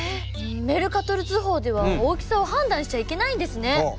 メルカトル図法では大きさを判断しちゃいけないんですね。